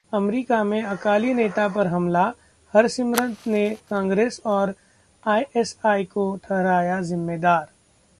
America में अकाली नेता पर हमला, हरसिमरत ने कांग्रेस और आईएसआई को ठहराया जिम्मेदार